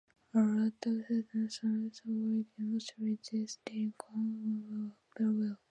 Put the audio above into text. A lot of Stefan Sagmeister work demonstrate this technique very well.